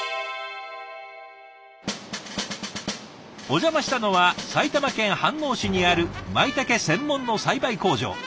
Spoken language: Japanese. お邪魔したのは埼玉県飯能市にあるまいたけ専門の栽培工場。